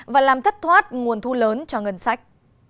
và làm thất thoát nguồn thu lớn cho ngân sách